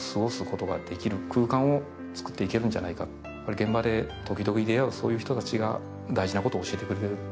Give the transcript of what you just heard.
現場で時々出会うそういう人たちがそういうことを教えてくれる。